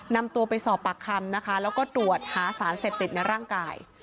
นำตัวไปสอบปากคำนะคะแล้วก็ตรวจหาสารเสพติดในร่างกาย